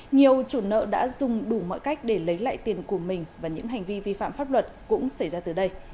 nhiều chủ nợ đã dùng đủ mọi cách để lấy lại tiền của mình và những hành vi vi phạm pháp luật cũng xảy ra từ đây